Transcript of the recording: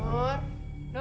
masuk masuk masuk